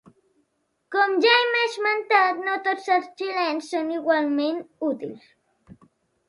Com ja hem esmentat, no tots els xilens són igualment útils.